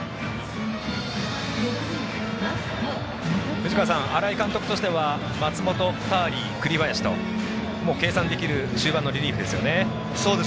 藤川さん、新井監督としては松本、ターリー、栗林と計算できる終盤のリリーフですよね。